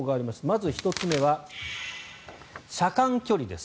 まず１つ目は車間距離です。